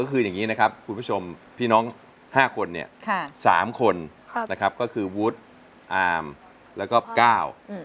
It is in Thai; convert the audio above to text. ก็คืออย่างนี้นะครับคุณผู้ชมพี่น้อง๕คนเนี่ย๓คนนะครับก็คือวุฒิอามแล้วก็ก้าว